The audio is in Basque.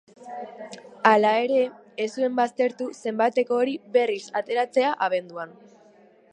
Hala ere, ez zuen baztertu zenbateko hori berriz aztertzea abenduan.